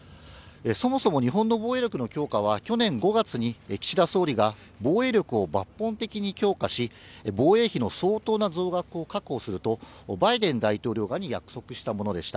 そもそも日本の防衛力の強化は、去年５月に岸田総理が防衛力を抜本的に強化し、防衛費の相当な増額を確保すると、バイデン大統領側に約束したものでした。